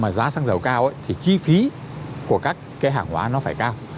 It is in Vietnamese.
mà giá xăng dầu cao thì chi phí của các cái hàng hóa nó phải cao